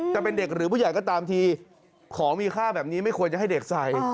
จะเป็นเด็กหรือผู้ใหญ่ก็ตามทีของมีค่าแบบนี้ไม่ควรจะให้เด็กใส่